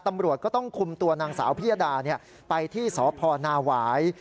ตำรวจก็ต้องคุมตัวนางสาวพิยดาไปที่สพนาหวาย